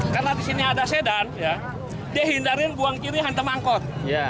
karena di sini ada sedan dihindarin buang kiri hantar